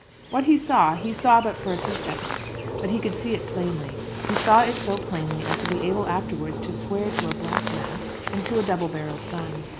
What he saw he saw but for a few seconds; but he could see it plainly. He saw it so plainly as to be able afterwards to swear to a black mask, and to a double barrelled gun.